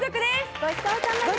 ごちそうさまでした！